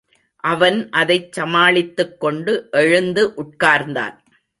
அவன் அதைச் சமாளித்துக் கொண்டு எழுந்து உட்கார்ந்தான்.